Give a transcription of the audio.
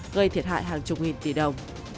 gây thiệt hại hàng chục nghìn tỷ đồng